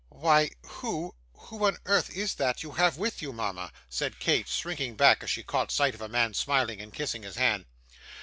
'Why who who on earth is that you have with you, mama?' said Kate, shrinking back as she caught sight of a man smiling and kissing his hand.